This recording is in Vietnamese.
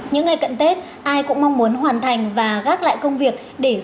những ngày cận tết ai cũng mong muốn hoàn thành và gác lại công việc